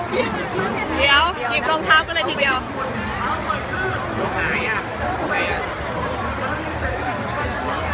เดี๋ยวหยิบรองเท้ากันเลยทีเดียว